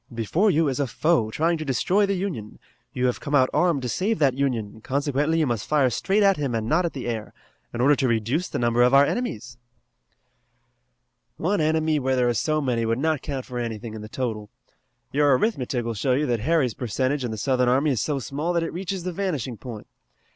Before you is a foe trying to destroy the Union. You have come out armed to save that Union, consequently you must fire straight at him and not at the air, in order to reduce the number of our enemies." "One enemy where there are so many would not count for anything in the total. Your arithmetic will show you that Harry's percentage in the Southern army is so small that it reaches the vanishing point.